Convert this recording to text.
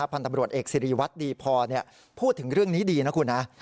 พันธ์ตำรวจเอกซีรีย์วัฒน์ดีพรพูดถึงเรื่องนี้ดีนะคุณ